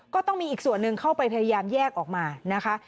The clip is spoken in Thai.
ก็ต้องมีอีกส่วนหนึ่งเข้าไปพยายามแยกออกมานะคะ